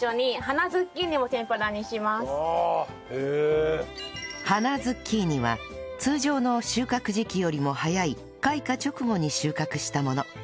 花ズッキーニは通常の収穫時期よりも早い開花直後に収穫したもの